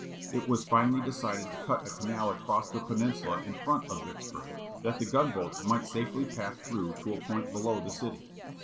It was finally decided to cut a canal across the peninsula in front of Vicksburg, that the gun boats might safely pass through to a point below the city.